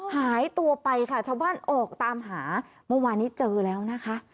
หายตัวไปค่ะชาวบ้านออกตามหาเมื่อวานนี้เจอแล้วนะคะ